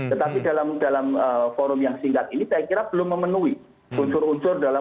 tetapi dalam forum yang singkat ini saya kira belum memenuhi unsur unsur dalam undang undang lima tahun dua ribu delapan belas